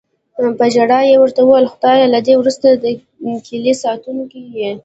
په ژړا یې وویل: "خدایه، له دې وروسته د کیلي ساتونکی یې".